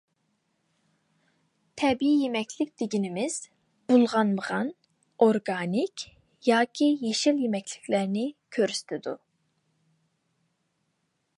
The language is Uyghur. تەبىئىي يېمەكلىك دېگىنىمىز بۇلغانمىغان، ئورگانىك ياكى يېشىل يېمەكلىكلەرنى كۆرسىتىدۇ.